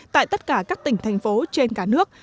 tại tất cả các tỉnh thành phố trên cả nước